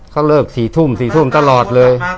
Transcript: เขาเลิกสี่ทุ่มสี่ทุ่มตลอดเลย